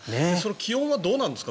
気温はどうなんですか